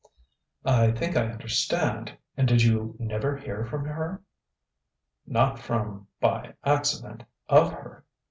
"I think I understand. And did you never hear from her?" "Not from by accident, of her.